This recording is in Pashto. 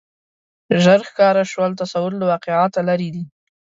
ژر ښکاره شول تصور له واقعیته لرې دی